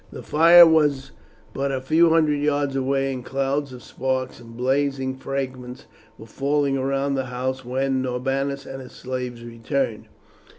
The fire was but a few hundred yards away, and clouds of sparks and blazing fragments were falling round the house when Norbanus and his slaves returned.